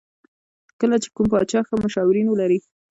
کله چې کوم پاچا ښه مشاورین ولري.